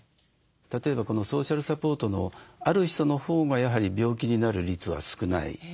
例えばこのソーシャルサポートのある人のほうがやはり病気になる率は少ない。